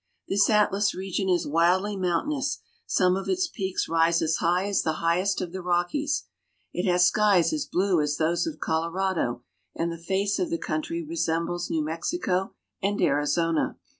This Atlas region is wildly mountainous ; some of its peaks rise as high as the highest of the Rockies. It has skies as blue as those of Colorado, and the face of the country resembles New Mexico and Arizona.